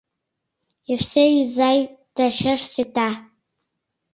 — Евсей изай, тачеш сита.